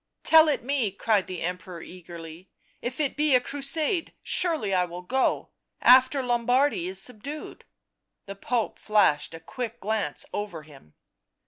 " Tell it me," cried the Emperor eagerly. " If it be a crusade, surely I will go — after Lombardy is subdued." The Pope flashed a quick glance over him.